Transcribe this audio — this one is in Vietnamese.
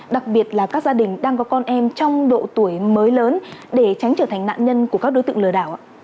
đặc biệt là các gia đình đang có con em trong độ tuổi mới lớn để tránh trở thành nạn nhân của các đối tượng lừa đảo